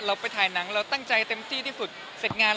ไปถ่ายหนังเราตั้งใจเต็มที่ที่ฝึกเสร็จงาน